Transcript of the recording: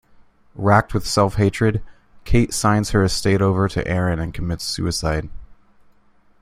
Wracked with self-hatred, Kate signs her estate over to Aron and commits suicide.